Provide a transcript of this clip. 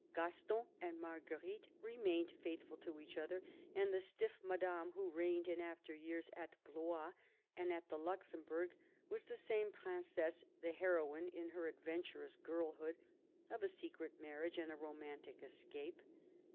Gaston and Marguerite remained faithful to each other ; and the stiff Madame who reigned in after years at Blois and at the Luxembourg was the same Princess, the heroine, in her adventurous girlhood, of a secret marriage and a romantic escape.